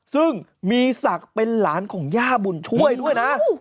ซึ่งมีศักดิ์เป็นหลานของย่าบุญช่วยด้วยนะ